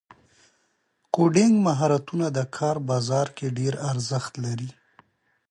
کوډینګ مهارتونه د کار بازار کې ډېر ارزښت لري.